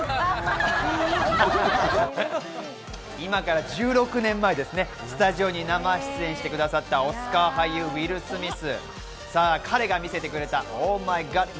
今から１６年前ですね、スタジオに生出演してくださったオスカー俳優・ウィル・スミス。